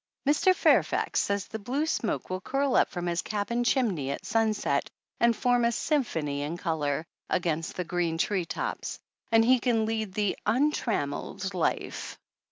Mr. Fairfax says the blue smoke will curl up from his cabin chimney at sunset and form a "symphony in color" against the green tree tops; and he can lead the "untrammeled life."